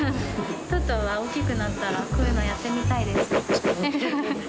とうとうは、大きくなったら、こういうのやってみたいですか？